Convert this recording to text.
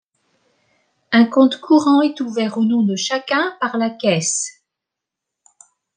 Un compte courant est ouvert au nom de chacun par la caisse.